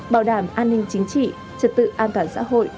bảo đảm an ninh chính trị trật tự an toàn xã hội